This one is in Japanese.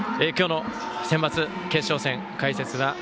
今日のセンバツ決勝戦